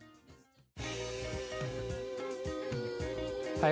はい。